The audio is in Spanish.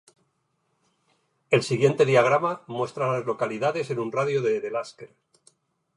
El siguiente diagrama muestra a las localidades en un radio de de Lasker.